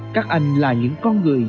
các anh là những con người